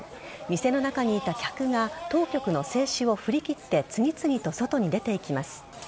店の中にいた客が当局の制止を振り切って次々と外に出て行きます。